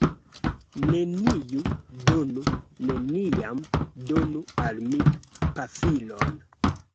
Neniu donu... neniam donu al mi pafilon